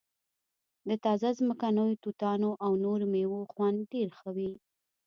د تازه ځمکنیو توتانو او نورو میوو خوند ډیر ښه وي